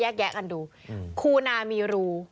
แยกแยะกันดูคุณามีรู